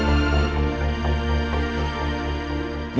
janganlah lo jadi panggung